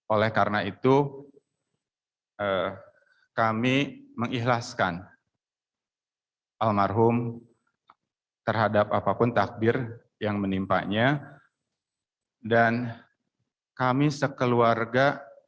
oleh karena itu kami mengikhlaskan almarhum terhadap apapun takbir yang menimpanya dan kami sekeluarga